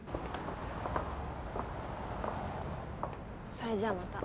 それじゃまた。